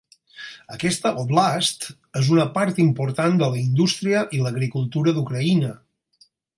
Aquesta oblast és una part important de la indústria i l'agricultura d'Ucraïna.